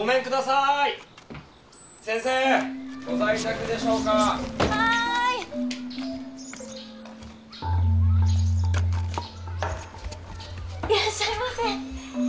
いらっしゃいませ。